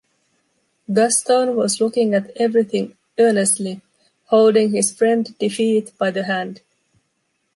Gaston was looking at everything earnestly, holding his friend Defeat by the hand.